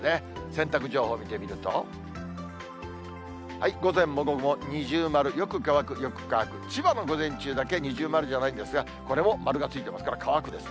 洗濯情報見てみると、午前も午後も二重丸、よく乾く、よく乾く、千葉の午前中だけ、二重丸じゃないんですが、これも丸がついてますから、乾くです。